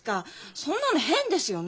そんなの変ですよね？